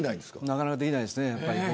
なかなかできないですね。